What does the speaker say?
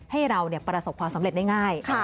ให้เราประสบความสำเร็จได้ง่าย